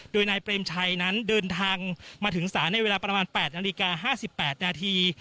โดยนายเปรมชัยนั้นเดินทางมาถึงศาลในเวลาประมาณ๘นาฬิกา๕๘นาที